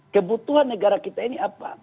kebutuhan negara kita ini apa